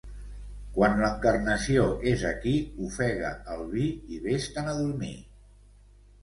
Quan l'Encarnació és aquí ofega el vi i ves-te'n a dormir.